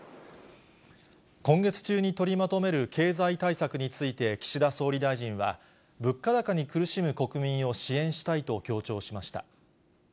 今月中に取りまとめる経済対策について、岸田総理大臣は、物価高に苦しむ国民を支援したいと強調しました。